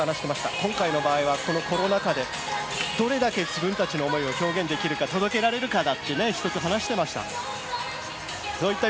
今回はコロナ禍でどれだけ自分たちの思いを表現できるか、届けられるかだと話していました。